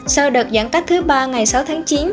sau đợt giãn cách thứ ba ngày sáu tháng chín